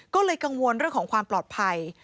ก็เลยกังวลเรื่องของความปลอดภัย